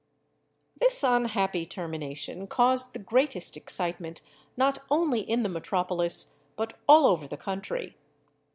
This unhappy termination caused the greatest excitement not only in the metropolis, but all over the country.